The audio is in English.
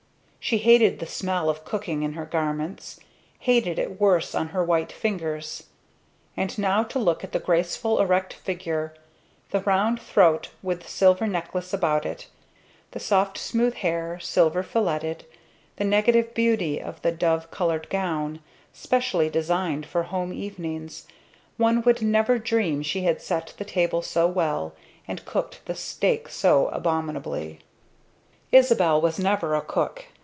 She hated the smell of cooking in her garments; hated it worse on her white fingers; and now to look at the graceful erect figure, the round throat with the silver necklace about it, the soft smooth hair, silver filletted, the negative beauty of the dove colored gown, specially designed for home evenings, one would never dream she had set the table so well and cooked the steak so abominably. Isabel was never a cook.